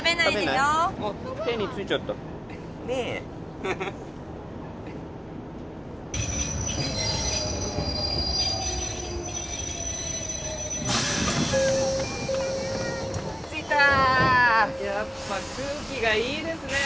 やっぱ空気がいいですね。